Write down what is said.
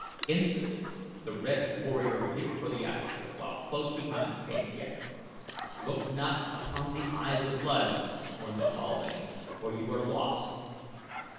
Instantly the red warrior leaped for the aperture, while close behind him came Ghek. "Look not upon the eyes of Luud," warned the kaldane, "or you are lost."